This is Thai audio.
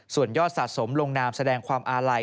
ส่วนยอดสะสมลงนามแสดงความอาลัย